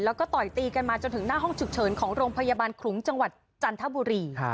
แล้วก็ต่อยตีกันมาจนถึงหน้าห้องฉุกเฉินของโรงพยาบาลขลุงจังหวัดจันทบุรี